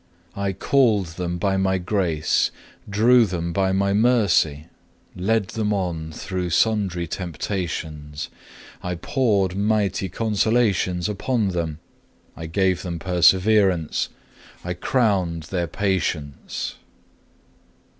I called them by My grace, drew them by My mercy, led them on through sundry temptations. I poured mighty consolations upon them, I gave them perseverance, I crowned their patience.